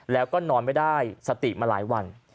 แล้วก็นอนไม่ได้สติมาหลายวัน